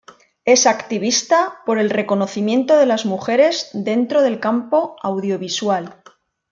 Es activista por el reconocimiento de las mujeres dentro del campo audiovisual.